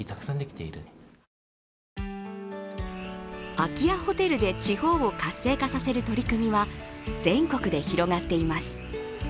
空き家ホテルで地方を活性化させる取り組みは全国で広がっています。